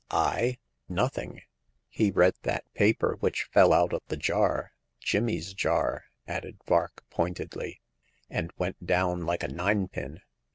" I ? Nothing ! He read that paper which fell out of the jar— Jimmy's jar," added Vark, pointedly — "and went down like a ninepin